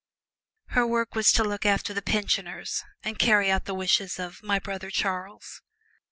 Her work was to look after the "pensioners" and carry out the wishes of "my brother Charles."